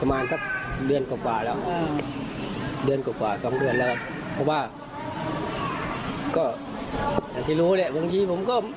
ประมาณสักเดือนกว่าแล้วเดือนกว่าสองเรื่องแล้วมีเพื่อนแล้วผมก็